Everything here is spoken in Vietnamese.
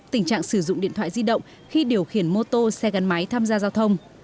tình trạng sử dụng điện thoại di động khi điều khiển mô tô xe gắn máy tham gia giao thông